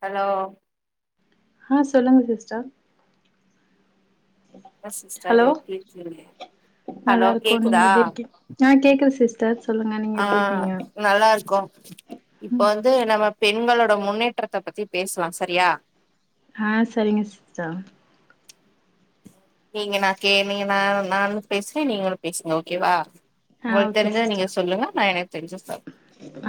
Hello ஆ சொல்லுங் sister என்ன சிஸ்டர் ஹலோ எப்டி இருக்கீங்க நல்லா ஹலோ இருக்கோ நீங்க கேக்குதா எப்டி இருக்கீங் ஆ கேக்குது சிஸ்டர் சொல்லுங்க நீங்க ஆ எப்டி இருக்கீங்க நல்லாருக்கோ இப்ப ம் வந்து நம்ம பெ உங்களோட முன்னேற்றத்த பத்தி பேஸ்லா செரியா ஹா செரிங்க சிஸ்டர் நீங்க நா கே நீங்க நா நானும் பேஸ்றே நீங்களு பேசுங்க ஓகேவா ஆ உங்ளுக் ஓகே தெரிஞ்சத நீங்க சிஸ்டர் சொல்லுங்க நா எனக் தெரிஞ்ச சொல்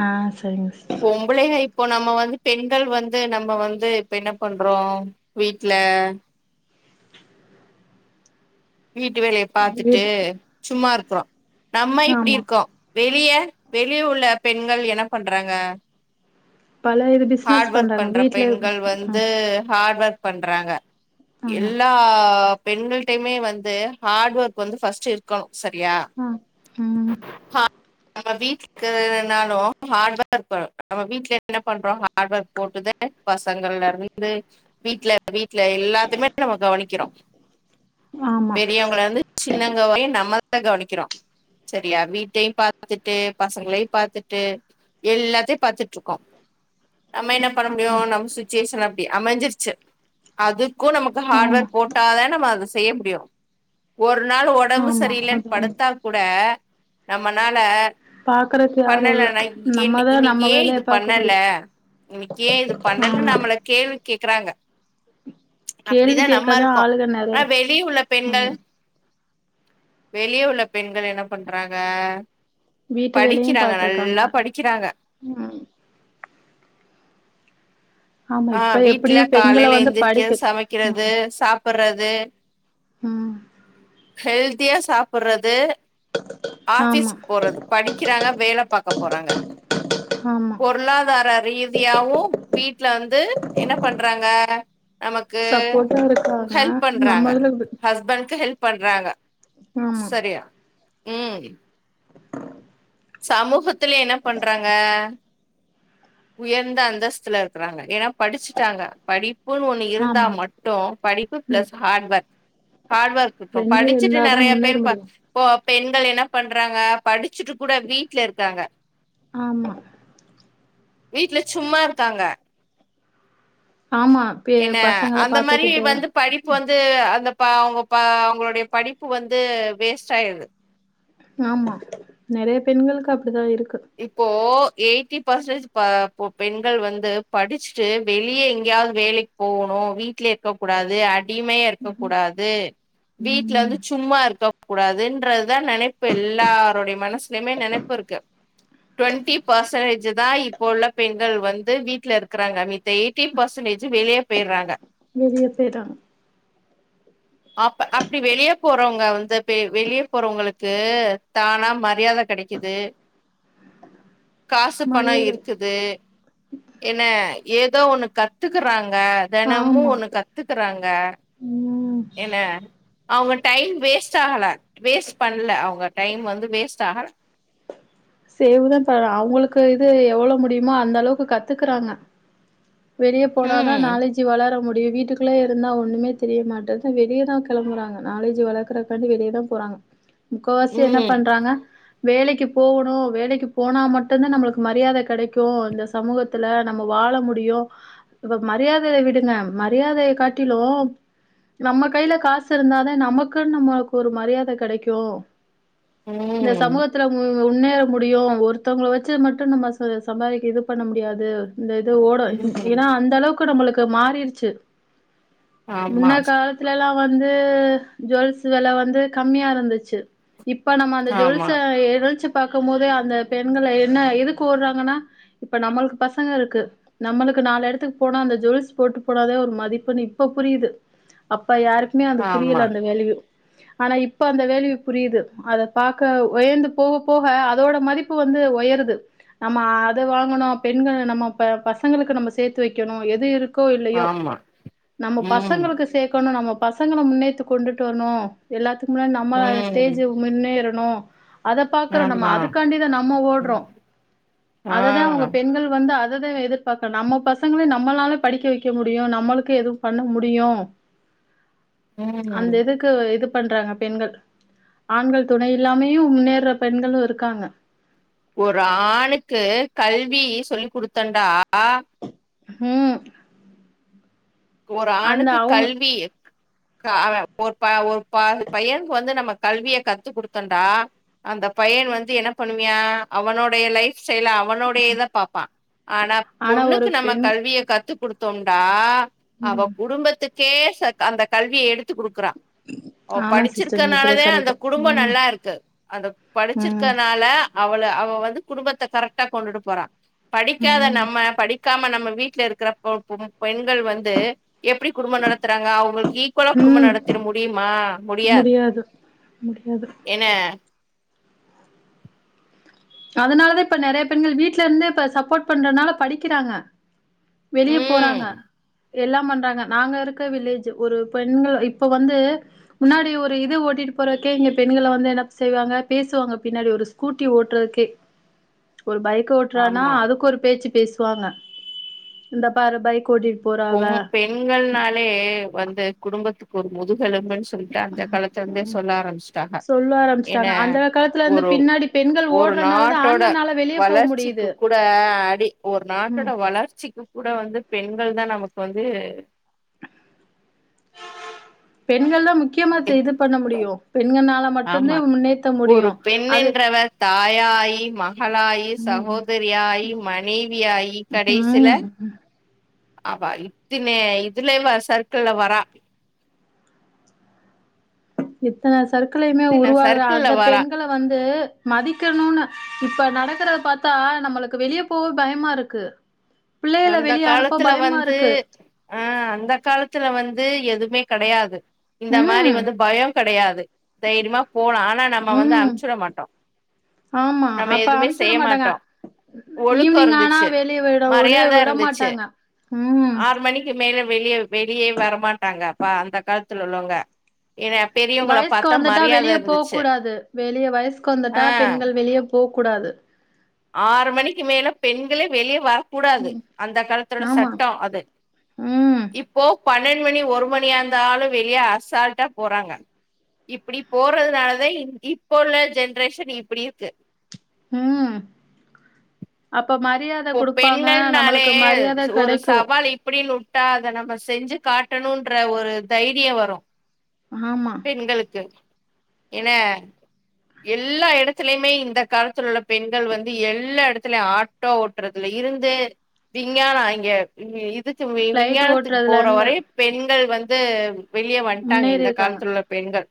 ஆ சரிங்க சிஸ்டர் பொம்பொளைக ப்போ நம்மொ வந்து பெண்கள் வந்து நம்ப வந்து இப்ப என்ன பண்றோம் வீட்லா வீட்டு வேலய பாத்துட்டு வீட் சும்மா இருக்குறோ நம்ம இப்டி ஆமா இருக்கோ வெளிய வெளிய உள்ள பெண்கள் என்ன பண்றாங்க பல இது பிஸ்னஸ் ஹார்ட் ஒர்க் பண்றாங்க பண்ற வீட்லயெ பெண்கள் வந்து ம் ஹார்ட் ஒர்க் பண்றாங்க எல்லா பெண்கள்டயிமே வந் து ஹார்ட் வர்க் வந்து ஃபர்ஸ்ட் இருக்கணு செரியா ஆ ம் ஹா நம்ம வீட்க்கூனாலும் ஹார்ட் வர்க் பண்ணோ நம்ம வீட்ல என்ன பண்றோ ஹார்ட் வர்க் போட்டுதே பசங்கள்லருந்து வீட்ல வீட்ல எல்லாத்துக்மே நம்ம கவனிக்கிறோ ஆமா பெரியவங்ளர்ந்து சின்னவ் அவ்வளதையும் நம்மள்தா கவனிக்கிறோம் செரியா வீட்டெயும் பாத்துகிட்டு பசங்களயும் பாத்துட்டு எல்லாத்தெயும் பாத்துட்ருக்கோம் நம்ம என்ன ஆமா பண்ணமுடியும் நம் சிச்சுவேஷன் அப் அப்படி அமைஞ்சிருச்சு அது உனக்கும் நமக்கும் ஆமா ஹார்ட்வேர் போட்டாதேனே வரும் செய்ய முடியும் செய் ஒரு [inaudible] அதனால உடம்பு ஆமா சரியில்லேன்னு அது ஒன்னு படுத்தா கூட நம்ம நாளே பாக்குறக்கு யாரு பண்ணலே இல்ல நை ஏன் நம்மதா இன்னைக்கு நம்ம ஏன் இது வேலைய பாக்க முடியு பண்ணலே இன்னைக்கு ஏன் இது பண்ணலேன்னு ஆமா நம்மள கேள்வி கேக்குறாங்க கேள்வி அப்படிதான் நம்ம இருக்கோம் ஆனா வெளி உள்ள பெண்கள் உஹம் [inaudible] வெளிய உள்ள பெண்கள் என்ன பண்றாங்க வீட்டு வேலையும் படிக்கிறாங்க பாத்துருக்காங்க நல்லா படிக்கிறாங்க உம் ஆமா ஆஹ் இப்ப வீட்டுல எப்டியு பெண்கள காலையில வந்து எந்திரிக்கிறது படிக்க வச்சு சமைக்கிறது சாப்படுறது உம் ஹெல்தியா சாப்புறது ஆமா ஆபீஸ்கு போறது படிக்கிறாங்க வேல பார்க்க போறாங்க ஆமா பொருளாதார ரீதியாவும் வீட்டுல வந்து என்ன பண்றாங்க நமக்கு சப்போட்டா இருக்காங்க ஹெல்ப் பண்றாங்க ஹஸ்பண்ட்க்கு ஹெல்ப் பண்றாங்க ஆமாம் இம் சமூகத்துலையும் என்ன பண்றாங்க உயர்ந்த அந்தஸ்துல இருக்குறாங்க ஏன்னா படிச்சிட்டாங்க படிப்புன்னு ஒண்ணு இருந்தா ஆமா மட்டும் படிப்பு ம் plus hard work hard work இப்ப ரெண்டு படிச்சுட்டு இருந்தாதா நிறைய முன்னேற முடியு பேர்போ பெண்கள் என்ன பண்றாங்க படிச்சுட்டு கூட வீட்ல இருக்காங்க ஆமா வீட்டு்ல சும்மா இருக்காங்க ஆமா பெ என்ன பசங்கள அந்த மாதிரி பாத்துக்கிட்டு வந்து படிப்பு வந்து அந்த இப்ப அவங்க அவங்களுடைய படிப்பு வந்து வேஸ்ட் ஆயிருது ஆமா நிறைய பெண்களுக்கு அப்படிதான் இருக்கு இப்போ எயிட்டி பர்சன்ட் பெண்கள் வந்து படிச்சுட்டு வெளியே எங்கேயாவது வேலைக்கு போகணும் வீட்ல இருக்கக் கூடாது எப்படியுமே இருக்கக் கூடாது வீட்ல ம் இருந்து சும்மா இருக்க கூடாதுன்றதுதான் நெனைப்பு எல்லாருடைய மனசுலயுமே நினைப்பு இருக்கு தான் இப்போ உள்ள பெண்கள் வந்து வீட்டுல இருக்கிறாங்க மித்த எயிட்டி பெர்சன்டேஜ் வெளியே போயிராங்க வெளியே போயிறாங்க அப்ப அப்டி வெளிய போறவங்க வந்து பே வெளிய போறவங்களுக்கு தானா மரியாத கெடைக்குது காசு பணோ மரியாதை இருக்குது என்ன ஏதோ ஒண்ணு கத்துக்குறாங் க தெனமு ஆமா ஒண்ணு கத்துக்குறாங்க ம் என்ன அவுங்க டைம் வேஸ்ட் ஆகல வேஸ்ட் பண்ல அவுங்க டைம் வந்து வேஸ்ட் ஆகல சேவ் தா [unintelligible] அவுங்களுக்கு இது எவ்ளோ முடியுமோ அந்த அளவுக்கு கத்துக்குறாங்க வெளியே போனாதா ம் நாலேஜி வளர முடி அப்டே வீட்டுக்குள்ளே இருந்தா ஒண்ணுமே தெரிய மாட்டது வெளியேதா கிளம்புறாங்க நாலேஜ் வளர்க்குறக்காண்டி வெளியதா போறாங்க முக்கவாசி என்ன ம் பண்றாங்க வேலைக்கு போவணு வேலைக்கு போனா மட்டு தா நம்ப்ளுக்கு மரியாத கெடைக்கு இந்த சமூகத்துல நம்ம வாழ முடியு இப்ப மரியாதய விடுங்க மரியாதய காட்டிலு நம்ம கைல காசு இருந்தா தா நமக்குன் நம்மளுக்கு ஒரு மரியாத கெடைக்கு இந்த ம் சமூகத்துல மு முன்னேற முடியு ஒருத்தவங்கள வச்சு மட்டு நம்ப ச சம்பாதிக்க இது பண்ண முடியாது இந்த இது ஓட ம் ஏன்னா அந்த அளவுக்கு நம்புளுக்கு [unintelligible] மாறிருச்சு முன்ன ஆமா காலத்துல எல்லா வந்து ஜுவல்ஸ் வெல வந்து கம்மியா இருந்துச்சு இப்ப நம்ம அந்த ஜொல்ஸ ஆமா ஏதாச்சு பாக்கும் போதே அந்த பெண்கள என்ன எதுக்கு ஓட்றாங்கன்னா இப்ப நம்மளுக் பசங்க இருக்கு நம்மளுக்கு நாலு எடத்துக்கு போனா அந்த ஜொல்ஸ் போட்டு போனாதா ஒரு மதிப்புன் இப்ப புரியுது அப் ப்ப யாருக்குமே அது ஆமா புரியல அந்த வேல்யூ ஆனா இப்ப அந்த வேல்யூ புரியுது அத பாக்க ஒயந்து போக போக அதோட மதிப்பு வந்து ஒயருது நம்ம அத வாங்கணு பெண்கள் நம்ம ப பசங்களுக்கு நம்ம சேத்து வைக்கணு எது இருக் கோ இல்லயோ ஆமா நம்ப ம் பசங்களுக்கு சேக்கணு நம்ம பசங்கள முன்னேத்து கொண்டுட்டு வர்னு எல்லாத்துக் [unintelligible] நம்ம ம் ஸ்டேஜு முன்னேர ணு அத அத பாக்குறோ நம்ம ஆமா அதுக்காண்டிதா நம்ம ஓட் ம். ஆ றோஅததா அவுங்க பெண்கள் வந்து அது அததா இவ எதிர்பாத்தன் நம்ம பசங்கள நம்மளால படிக்க வைக்க முடியு நம்மளுக்கு எதுவு பண்ண முடியு ம் அந்த இதுக்கு இது பண்றாங்க பெண்கள் ஆண்கள் துணை இல்லாமயு முன்னேர்ற பெண்களு இருக்காங்க ஒரு ஆணுக்கு கல்வி சொல்லி குடுத்தண்டா ம் ஒரு அந்த ஆணுக்கு அவங்க கல்வி க அவ ஒரு ப ஒரு ப பையனுக்கு வந்து நம்ம கல்விய கத்து குடுத்தோன்டா அந்த பையன் வந்து என்ன பண்ணுவியா அவனோட லைஃப் செய்ல அவனோடையேதா பாப்பா ஆனா பொண்ணுக்கு ஒரு நம்ம பெண் கல்வியை கத்து கொடுத்து தொண்டா அவ ம் குடும்பத்துக்கு கேச அந்த கல்வியை எடுத்து குடுக்குறா அவ ஆமா சிஸ்டர் நீங்க சொல்றது படிச்சிருக்கனாலதா அந்த கரெக்ட் குடும்போ ம் நல்லா இருக்கு அந்த படிச்சிருக்கனால அவள அவள் வந்து குடும்பத்த கரெக்டா கொண்டுட்டு போறா படிக்காத ம் நம்ம படிக்காம நம்ம வீட்டில இருக்கிற பொ பெ பெண்கள் வந்து து எப்படி குடும்பம் நடத்துறாங்க அவங்களுக்கு ஈக்குவலா குடும்ப ம் ம் நடத்திட முடியுமா முடியாது முடியாது என்ன அதனாலதா இப்ப நெறையா பெண்கள் வீடல இருந்து இப்ப சப்போர்ட் பண்றதுனால படிக்கிறாங்க வெளியே ம் போறாங்க எல்லாம் பண்றாங்க நாங்க இருக்க வில்லேஜ் ஒரு பெண்கள் இப்போ வந்து முன்னாடி ஒரு இது ஓட்டிட்டு போறதுக்கே இங்க பெண்களை வந்து என்ன செய்வாங்க பேசுவாங்க பின்னாடி ஒரு ஸ்கூட்டி ஓட்டுறதுக்கு [unintelligible] ஒரு பைக் ஓட்டுறானா ஆமா அதுக்கு ஒரு பேச்சு பேசுவாங்க இந்த பாரு பைக் கோட்டிட் பொ பெண்கள்னாலே வந்து குடும்பத்துக்கு கொபோது கெலும்பன்னு சொல்லிட்டு அந்த காலத்த வந்தே சொல்ல ஆரம்பிச்சிட்டாங்க சொல்ல ஏன்னா ஆரம்பிச்சுட்டாங்க அந்த காலத்துல இருந்து ஒரு பின்னாடி பெண்கள் ஒரு ஓடுறனாலதா நாட்டோட ஆண்கள்னால வெளிய போ வளர்ச்சிக்கு முடியுது கூட அடி ஒரு ம் நாட்டோட வளர்ச்சிக்கு கூட வந்து பெண்கள் தான நமக்கு வந்து பெண்கள் தா முக்கியமா த் இது பண்ண முடியு பெண்கனால ஆமா மட்டும்தா முன்னேற்ற ஒரு முடியு அது மகளாய் ம் சகோதரியாய் மனைவியாயி கடைசில ம் ஆவ இத்தனே இதுல சர்க்கிள் வரா எத்தனை சற்களையுமே இத்தின உருவாகற சர்க்கிள்ல அந்த வரா பெண்களை வந்து மதிக்கணும்னு இப் இப்ப நடக்கறத பார்த்தா நம்மளுக்கு வெளியே போவே பயமா இருக்கு பிள்ளைகள அந்த வெளிய அனுப்ப காலத்துல பயமா வந்து இருக்கு ஆ அந்த காலத்துல வந்து து எதுவுமே கெடையாது இந்த மாரி ம் வந்து பயம் கெடையாது தைரியமா போல ஆனா நம்ம வந்து ம் அமைச்சுட மாட்டோம் ஆமா நம்ம அப்ப எதுவுமே அனுப்ச்சு விட செய்ய மாட்டாங்க மாட்டோ ஒழுக்கோ இருந்துச்சு உள்ளயே மரியாத விட மாட்டாங்க உம் மேலும் வெளிய வெளியே வரமாட்டாங்க அப்ப அந்த காலத்துல உள்ளவங்க ஏன்னா பெரியவங்கள வயசுக்கு பாத்தா வந்துட்டா மரியாத வெளியே போகக் இருந்துச்சு கூடாது வெளிய வயசுக்கு ஆ வந்துட்டா பெண்கள் வெளிய போக் கூடாது ஆறு மணிக்கு மேல பெண்களே வெளிய வரக் கூடாது ம் அந்த காலத்தோட ஆமா சட்டோ அது ம் இப்போ பன்னண் மணி ஒரு மணியா இருந்தாலு வெளிய அசால்ட்டா போறாங்க இப்டி போறதுனாலதா இப்போ உள்ள ஜென்ரேஷன் இப்டி இருக்கு ம் அப்ப மரியாத இப்ப குடுப்பாங்க பெண்கள்னாலே நம்மளுக்கு மரியாத ஒரு கெடைக்கு சவால் இப்புடின் உட்டா அத நம்ம செஞ்சு காட் டணும்ன்ற ஒரு தைரிய வரு ஆமா பெண்களுக்கு ஏன எல்லா எடத்துலயுமே இந்த காலத்துல உள்ள பெண்கள் வந்து எல்லா எடத்துலயும் ஆட் ட்டோ ஓட்றதுல இருந்து விஞ்ஞான இங்க இ இதுக் வி ஃபிளைட் விஞ்ஞானத்துக்குப் ஓட்டுறதுல போற இருந்து வரை பெண்கள் வந் து வெளிய வந்ட்டாங்க முன்னேறி இந்த இருக்காங்க காலத்துல உள்ள பெண்கள்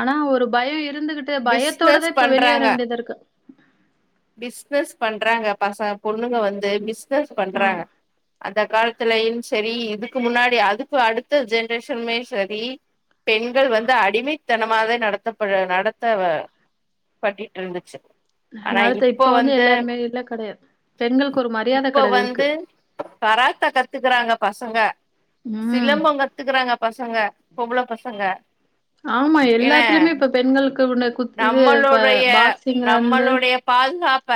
ஆனா ஒரு பயோ இருந்துகிட்டு பிஸ்னஸ் பயத்தோடதா இப்ப வெளியேற பண்றாங்க வேண்டியதா இருக்கு பிஸ்னஸ் பண்றாங்க பச பொண்ணுங்க வந்து பிஸ்னஸ் ஆமா பண்றாங்க அந்த காலத்துலையு சரி இதுக்கு முன்னாடி அதுக்கு அடுத்த ஜென்ரேஷன்மே சரி பெண்கள் வந்து அடிமை மைத்தனமாவே நடத்தப்பட்ற நடத்த பட்டிட்டு இருந்துச்சு நடத்த இப்ப வந்து எல்லாருமே இல்ல கெடையாது பெண்களுக்கு ஒரு மரியாத இப்ப கெடை இருக்கு வந்து கராத்தே கத்துக்கிறாங்க பசங்க ம் சிலம்பம் கத்துக்கிறாங்க பசங்க பொம்பளப் பசங்க ஆமா என்ன எல்லாத்துலயுமே இப்ப பெண்களுக்கு உண நம்மளுடைய இருந்து நம்மளுடைய பால் பாதுகாப்ப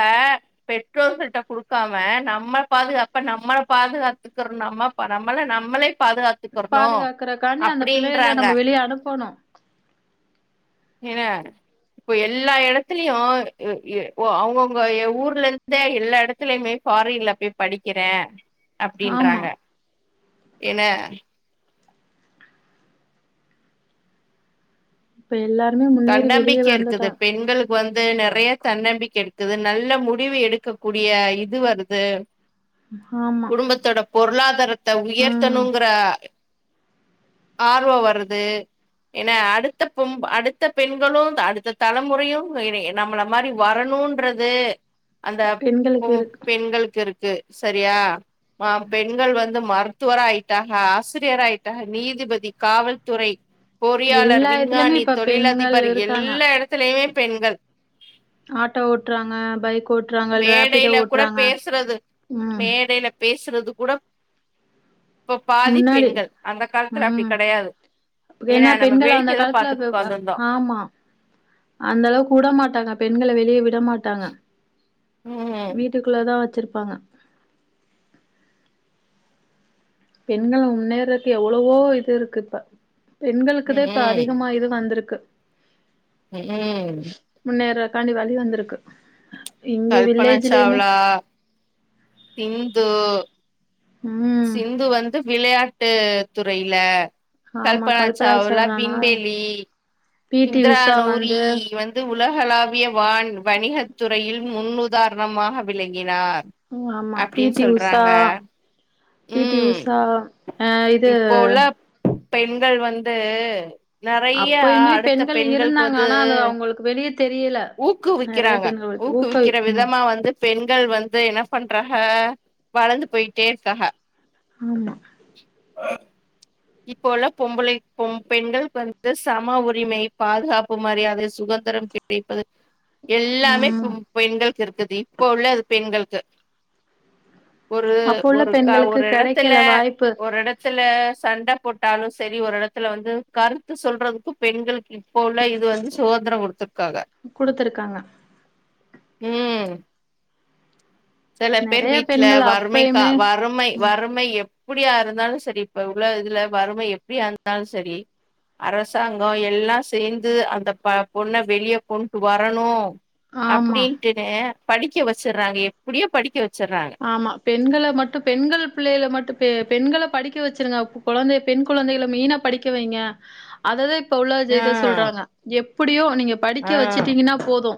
பெற்றோர்கள்ட்ட குடுக்காம நம்ம பாதுகாப்ப நம்மளப் பாதுகாத்துக்கிறோ நம்ம நம்ம நம்மளே பாதுகாத்துக்கறணு பாதுகாக்கறக்காண்டி அந்த பிள்ளைகள அப்டின்றாங்க நம்ம வெளியே அனுப்பணும் என்ன இப்போ எல்லா எடத்துலயும் உ எ ஒ அவுங்கவுங்க ஊர்ல இருந்தே எல்லா எடத்துலயுமே ஃபாரின்ல போய் படிக்கிறேன் ஆமா அப்பிடின்றாங்க என்ன இப்ப எல்லா தன்னம்பிக்கை இருக்குது பெண்களுக்கு வந்து நெற நெறைய தன்னம்பிக்க இருக்குது நல்ல முடிவு எடுக்கக் கூடிய இது வருது ஆமா குடும்பத்தோட பொருளாதாரத்த ம் உயர்த்தணுங்கிற ஆர்வம் வருது ஏன்னா அடுத்த பொம் அடுத்த பெண்களும் அடுத்த தலைமுறையும் எனய நம்மள மாரி வரணும்ன்றது அந்த பொ பெண்களுக்கு இருக்கு பெண்களுக்கு இருக் கு சரியா அ பெண்கள் வந்து மருத்துவராயிட்டாக ஆசிரியர் ஆயிட்டாக நீதிபதி காவல்துறை பொறியாளர் எல்லா இதுலயுமே விஞ்ஞானி இப்ப பெண்கள் தொழிலதிபர் இருக்காங்க எல்லா இடத்துலயே பெண்கள் ஆட்டோ ஓட்றாங்க பைக் ஓட்றாங்க ரேபிடோ மேடேல கூட ஓட்றாங்க பேசுறது ம் மேடேல பேசுறது கூட இப்ப பாதி முன்னாடி பெண்கள் அந்த காலத்துல அப்டி உம் கெடையாது ஏன்னா நம்ம பெண்கள் அந்த வேடிக்கைதா காலத்துல பாத்துட்டு வவ உக்காந்துருந்தோ ஆமா அந்த அளவுக்கு உட மாட்டாங்க பெண்கள வெளிய வி விட மாட்டாங்க ம் வீட்டுக்குள்ள தான் வச்சிரு பாங்க பெண்கள முன்னேறதுக்கு எவ்ளவோ இது இருக்கு இப்ப பெண்களுக்குதான் இப்ப அதிகமா இது வந்திருக்கு உஹும் தாண்டி வழி வந்திருக்கு இங்க கல்பனா வில்லேஜ்லயுமே சாவ்ளா சிந்து ம் சிந்து வந்து விளையாட் டு துறையில ஆமா கல்பனா சாவ்லா கல்பனாச்சவனா விண்வெளி பி டி இந்திரா உஷா நூரி வந்து வந்து உல ஹலாவிய வான் வணிக துறையில் முன்னுதார னமாக விளங்கினார் ஓ ஆமா பீ அப்டின்னு டி உசா சொல்றாங்க பீ டி ம் உஷா அஹ் இது இப்போ உள்ள பெண்கள் வந்து நெறைய அப்பயுமே அடுத்த பெண்கள் பெண்களுக்கு இருந்தாங்க வந்து ஆனா அது அவங்களுக்கு வெளிய தெரியல நெறைய ஊக்குவிக்கிறாங்க பெண்களுக்கு ஊக்கவி ஊக்குவிக்கிற ம் விதமா வந்து பெண்கள் வந்து என்ன பண்றாங்க வளந்து போயிட்டே இருக்காக ஆமா இப்போல்லா பொம்பள பொ பெண்களுக்கு வந்து சம உரிமை பாதுகாப்பு மரியாதை சுதந்திரம் கிடைப்பது எல்லாமே பொ ம் பெண்களுக்கு எடுத்தது இப்போ உள்ள அது பெண்கள் து அப்போ உள்ள பெண்களுக்கு கெடைக்கல வாய்ப்பு சில சண்ட போட்டாலு சரி ஒரு எடத்துல வந்து கருத்து சொல்றதுக்குப் பெண்களுக்கு இப்ப உள்ள இது வந்து சுதந்திரோ குடுத்துறுக்காக குடுத்துருக்காங்க ம் சில பேரு நெறைய வீட்ல பெண்கள் வறுமைக்கா அப்பயுமே வறுமை ம் வறுமை எப்புடியாருந்தாலு சரி இப்ப உள்ள இதுல வறுமை எப்புடியாருந்தாலு சரி அரசாங்கோ எல்லா சேந்து அந்த ப பொண்ண வெளிய கொன்ட்டு வரணு ஆமா அப்படின்ட்டுனு படிக்க வெச்சுர்றாங்க எப்படியோ படிக்க வெ ஆமா பெண்கள மட்டும் பெண்கள் பிள்ளையல மட்டு பெண்கள படிக்க வெச்சிருங்க கொழந்தய பெண் கொழந்தகல மெய்னா படிக்க வைங்க அதது இப்போ உள்ள ஆ இத சொல்றாங்க எப்படியோ நீங்க படிக்க ஆ வெச்சுட்டீங்கனா போது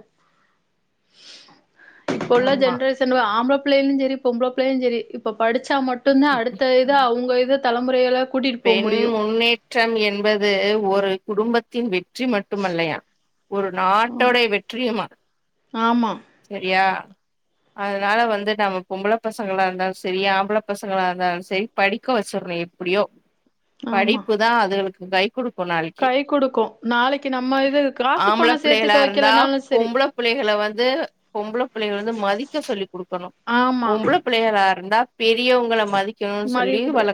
இப்ப உள்ள ஆமா ஜென்ரேஷன் ஆம்புலப் புள்ளளுஞ் செரி பொம்பள புள்ளளுஞ் செரி இப்ப படிச்சா மட்டு மட்டு்ந்தா அடுத்த இது அவுங்க இது தலைமுறையலப் பெண் முன்னேற்றம் என்பது ஒரு குடும்பத் தின் வெ வெற்றி மட்டுமல்லையா ஒரு ஆமா நாட்டோடய வெற்றியுமா ஆமா சரியா அதனால வந்து நாம பொம்பள பசங்களா இருந்தாலு சரி ஆம்பள பசங்களா இருந்தாலு சரி படிக்க வெச்சிரனு எப்படியோ ஆமா படிப்புதா அதுகளுக்கு கை குடுக் கை குடுக்கு நாளைக்கி நம்ம இது காசு ஆம்பள பணோ பிள்ளைகளா சேத்துக்க இருந்தா வெக்கலனாலு சரி பொம்பள பிள்ளைகள வந்து பொம்பள பிள்ளைகள வந்து மதிக்க சொல்லி் குடுக்கனு ஆமா பொம்பள பிள்ளைகளா இருந்தா பெரியவங்கங்கள மதிக்கணுனு சொல்லி வளக்